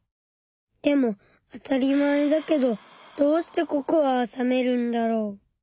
でもあたりまえだけどどうしてココアはさめるんだろう。